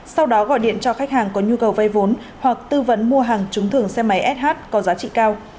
sau đó gọi điện cho khách hàng có nhu cầu vay vốn hoặc tư vấn mua hàng trúng thưởng xe máy sh có giá trị cao